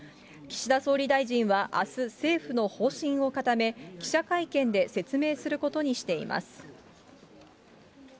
岸田総理大臣はあす、政府の方針を固め、記者会見で説明することにしています。